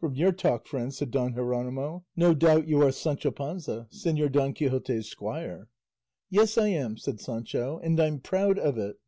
"From your talk, friend," said Don Jeronimo, "no doubt you are Sancho Panza, Señor Don Quixote's squire." "Yes, I am," said Sancho; "and I'm proud of it."